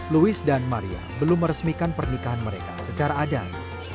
louis dan maria belum meresmikan pernikahan mereka secara adai